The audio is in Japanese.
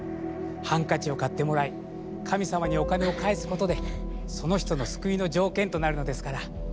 ハンカチを買ってもらい神様にお金を返すことでその人の救いの条件となるのですから。